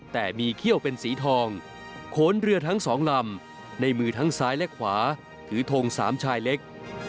แต่มีเขี้ยวเป็นสีทองโขนเรือทั้งสองลำในมือทั้งซ้ายและขวาถือทงสามชายเล็ก